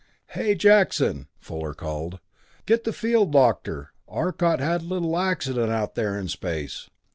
"Hey, Jackson," Fuller called, "get the field doctor Arcot had a little accident out there in space!"